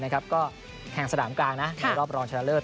ก็แห่งสนามกลางในรอบรองชนะเลิศ